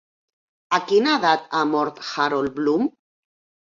A quina edat ha mort Harold Bloom?